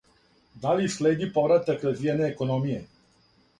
Да ли следи повратак развојне економије?